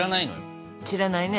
知らないね。